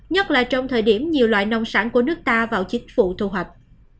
nhất là trong thời điểm nhiều loại nông sản của nước ta vào chính phủ thu hoạch